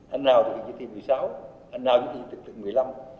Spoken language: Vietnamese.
anh nào thì chỉ thị một mươi sáu anh nào thì chỉ thị một mươi năm